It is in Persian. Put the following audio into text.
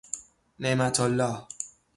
نعمت الله